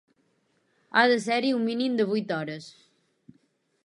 Ha de ser-hi un mínim de vuit hores.